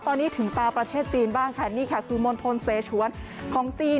ตอนนี้ถึงตาประเทศจีนบ้างค่ะนี่ค่ะคือมณฑลเสชวนของจีน